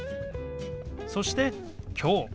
そして「きょう」。